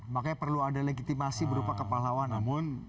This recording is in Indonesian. makanya perlu ada legitimasi berupa kepahlawan